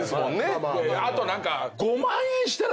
あと何か。